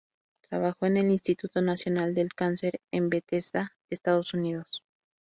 Trabajó en el Instituto Nacional del Cáncer en Bethesda, Estados Unidos.